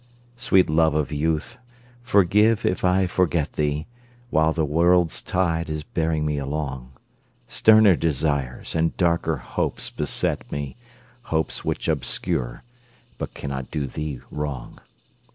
Sweet love of youth, forgive if I forget thee While the world's tide is bearing me along; Sterner desires and darker hopes beset me, Hopes which obscure but cannot do thee wrong.